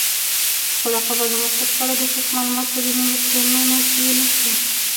خو د قبر د موقعیت په اړه دقیق معلومات په دیني متونو کې نشته.